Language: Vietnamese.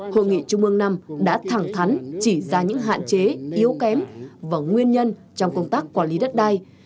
hội nghị trung ương năm đã thẳng thắn chỉ ra những hạn chế yếu kém và nguyên nhân trong công tác quản lý đất đai